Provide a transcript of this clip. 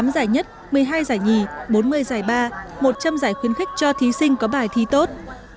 tám giải nhất một mươi hai giải nhì bốn mươi giải ba một trăm linh giải khuyến khích cho thí sinh có bài thi tốt